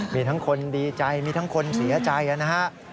มีทั้งคนดีใจมีทั้งคนเสียใจนะฮะ